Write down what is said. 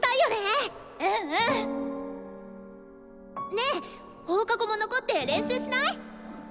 ねえ放課後も残って練習しない？